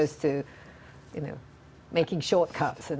sebaliknya membuat kecepatan